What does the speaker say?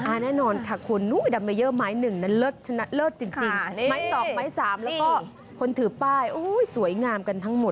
อ่าแน่นอนค่ะคุณอุ้ยดำเบเยอร์ไม้๑นั้นเลิศจริงไม้ตอบไม้๓แล้วก็คนถือป้ายอุ้ยสวยงามกันทั้งหมด